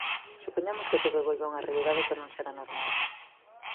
Supoñamos que todo volve a unha realidade que non será normal.